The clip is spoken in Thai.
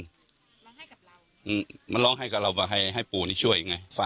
ด้วยมาร้องให้กับเราเพื่อให้ปูช่วย